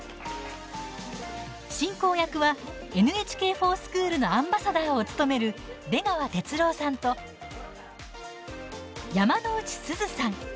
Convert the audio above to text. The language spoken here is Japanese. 進行役は「ＮＨＫｆｏｒＳｃｈｏｏｌ」のアンバサダーを務める出川哲朗さんと山之内すずさん。